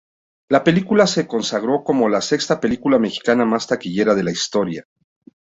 La película se consagró como la sexta película mexicana más taquillera de la historia.